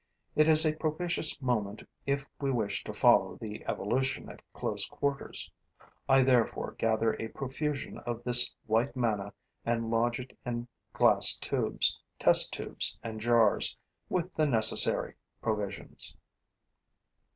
It is a propitious moment if we wish to follow the evolution at close quarters. I therefore gather a profusion of this white manna and lodge it in glass tubes, test tubes and jars, with the necessary provisions.